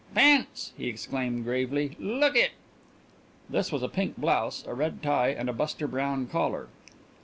"Pants," he exclaimed gravely. "Lookit!" This was a pink blouse, a red tie, and a Buster Brown collar.